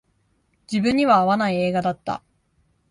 自分には合わない映画だった